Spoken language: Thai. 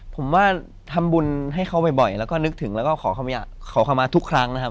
ผมว่าทำบุญให้เขาบ่อยแล้วก็นึกถึงแล้วก็ขอคำมาทุกครั้งนะครับ